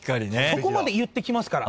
そこまで言ってきますから。